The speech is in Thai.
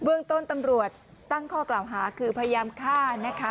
เรื่องต้นตำรวจตั้งข้อกล่าวหาคือพยายามฆ่านะคะ